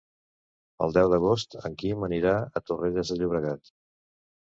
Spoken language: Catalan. El deu d'agost en Quim anirà a Torrelles de Llobregat.